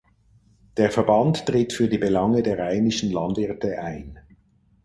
Der Verband tritt für die Belange der rheinischen Landwirte ein.